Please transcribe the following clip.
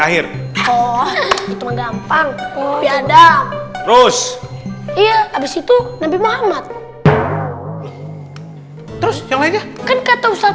akhir oh gampang oh ya ada terus iya habis itu nabi muhammad terus yang lainnya kan kata ustaz